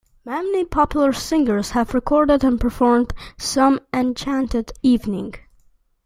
Many popular singers have recorded and performed "Some Enchanted Evening".